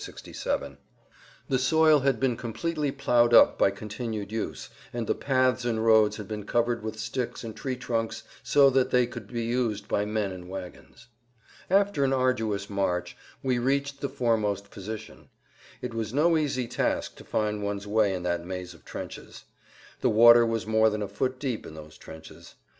The soil had been completely ploughed up by continued use, and the paths and roads had been covered with sticks and tree trunks so that they could be used by men and wagons. After an arduous march we[Pg 149] reached the foremost position. It was no easy task to find one's way in that maze of trenches. The water was more than a foot deep in those trenches.